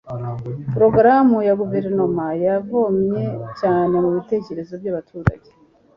porogaramu ya guverinoma yavomye cyane mu bitekerezo by'abaturage